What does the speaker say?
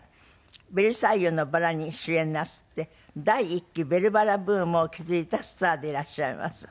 『ベルサイユのばら』に主演なすって第１期『ベルばら』ブームを築いたスターでいらっしゃいます。